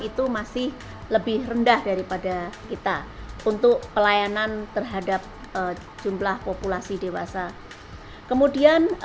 itu masih lebih rendah daripada kita untuk pelayanan terhadap jumlah populasi dewasa kemudian